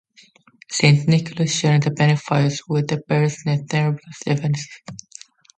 Saint Nicholas' shares a benefice with the parishes of Thrapston and Denford.